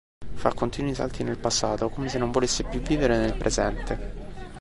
Fa continui salti nel passato, come se non volesse più vivere nel presente.